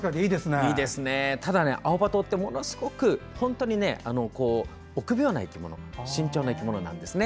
ただ、アオバトってものすごく臆病な生き物慎重な生き物なんですね。